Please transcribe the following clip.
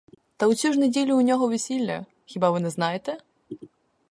Та у цю ж неділю у нього весілля, хіба ви не знаєте?